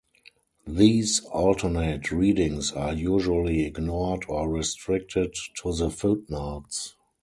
These alternate readings are usually ignored or restricted to the footnotes.